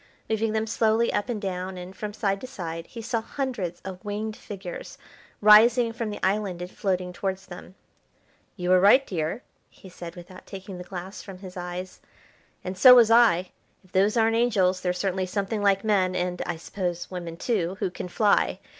Moving them slowly up and down, and from side to side, he saw hundreds of winged figures rising from the island and floating towards them. "You were right, dear," he said, without taking the glass from his eyes, "and so was I. If those aren't angels, they're certainly something like men, and, I suppose, women too who can fly.